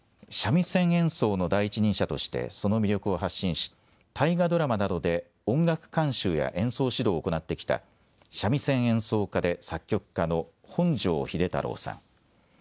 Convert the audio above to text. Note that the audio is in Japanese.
三味線演奏の第一人者としてその魅力を発信し大河ドラマなどで音楽監修や演奏指導を行ってきた三味線演奏家で作曲家の本條秀太郎さん。